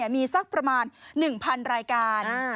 มีสักประมาณ๑๐๐๐รายการ